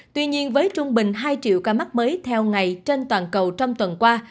tuy nhiên với trung bình hai triệu ca mắc mới theo ngày trên toàn cầu trong tuần qua